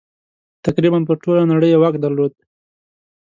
تقریباً پر ټوله نړۍ یې واک درلود.